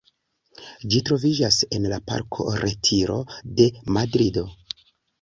Ĝi troviĝas en la Parko Retiro de Madrido.